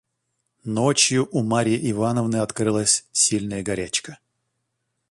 Ночью у Марьи Ивановны открылась сильная горячка.